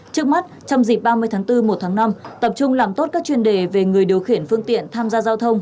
trước mắt trong dịp ba mươi tháng bốn một tháng năm tập trung làm tốt các chuyên đề về người điều khiển phương tiện tham gia giao thông